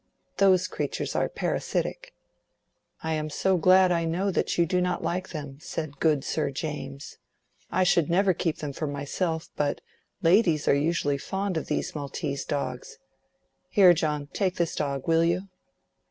Those creatures are parasitic." "I am so glad I know that you do not like them," said good Sir James. "I should never keep them for myself, but ladies usually are fond of these Maltese dogs. Here, John, take this dog, will you?"